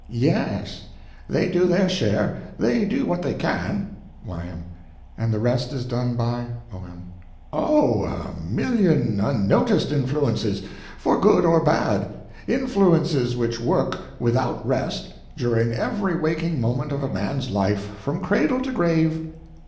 Yes—they do their share; they do what they can. Y.M. And the rest is done by— O.M. Oh, a million unnoticed influences—for good or bad: influences which work without rest during every waking moment of a man's life, from cradle to grave.